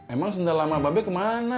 emang sendal lama bapak kemana